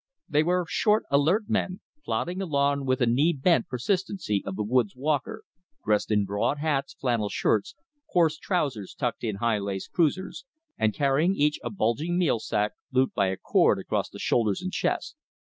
They were short, alert men, plodding along with the knee bent persistency of the woods walker, dressed in broad hats, flannel shirts, coarse trousers tucked in high laced "cruisers "; and carrying each a bulging meal sack looped by a cord across the shoulders and chest.